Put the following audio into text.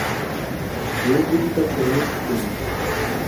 kiu kutit ak serut kenyit